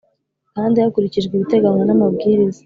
kandi hakurikijwe ibiteganywa n amabwiriza